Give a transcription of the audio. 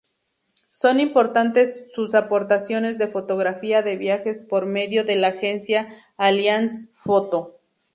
Son importantes sus aportaciones de fotografía de viajes por medio de la agencia Alliance-Photo.